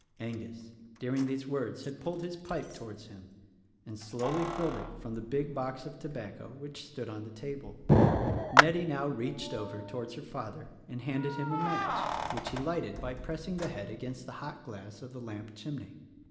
Angus, during these words, had pulled his pipe towards him and slowly filled it from the big box of tobacco which stood on the table. Nettie now reached over towards her father and handed him a match, which he lighted by press THE RECORDING ANGEL 13 ing the head against the hot glass of the lamp chimney.